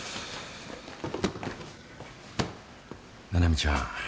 七海ちゃん